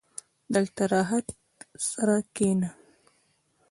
• دلته راحت سره کښېنه.